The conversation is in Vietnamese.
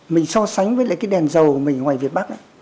mình so sánh với lại cái đèn dầu của mình ngoài việt bắc ấy